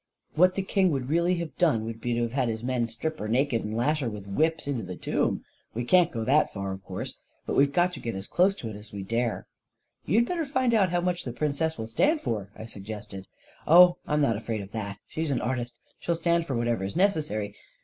What the king would really have done would be to have his men strip her naked, and lash her with whips into the tomb. We can't go that far, of course, but we've got to get as close to it as we dare !" 41 You'd better find out how much the Princess will stand for," I suggested. 44 Oh, I'm not afraid of that — she's an artist — she'll stand for whatever is necessary.